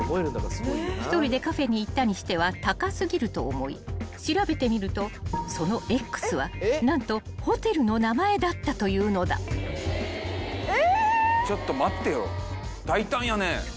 ［１人でカフェに行ったにしては高過ぎると思い調べてみるとそのＸは何とホテルの名前だったというのだ］え！